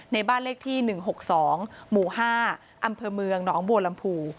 บ้านเลขที่๑๖๒หมู่๕อำเภอเมืองหนองบัวลำพู